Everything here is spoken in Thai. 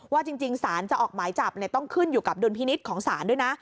จริงสารจะออกหมายจับต้องขึ้นอยู่กับดุลพินิษฐ์ของศาลด้วยนะ